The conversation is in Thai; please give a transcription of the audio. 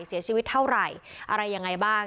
เสียชีวิตเท่าไหร่อะไรยังไงบ้าง